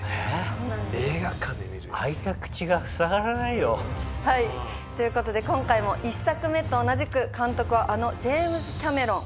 開いた口がふさがらないよ。ということで今回も１作目と同じく監督はあのジェームズ・キャメロン。